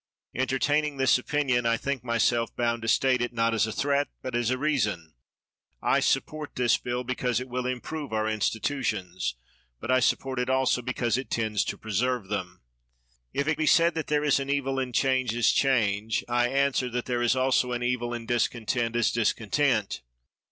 Entertaining this opinion, I think myself bound to state it, not as a threat, but as a reason. I support this bill because it will improve our institutions ; but I support it also because it tends to preserve them. If it be said that there is an evil in change as change, I answer that there is also an evil in discontent as discontent.